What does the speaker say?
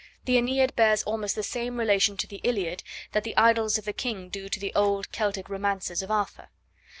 The AEneid bears almost the same relation to the Iliad that the Idylls of the King do to the old Celtic romances of Arthur.